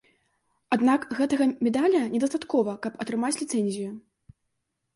Аднак гэтага медаля недастаткова, каб атрымаць ліцэнзію.